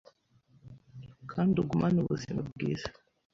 kandi ugumane ubuzima bwiza.